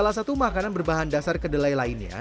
salah satu makanan berbahan dasar kedelai lainnya